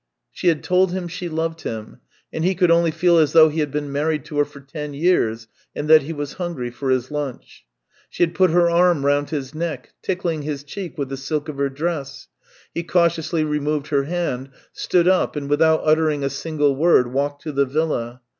She had told him she loved him, and he could only feel as though he had been married to her for ten years, and that he was hungry for his lunch. She had put her arm round his neck, tickling his cheek with the silk of her dress; he THREE YEARS ■ 311 cautiously removed her hand, stood up, and with out uttering a single word, walked to the villa.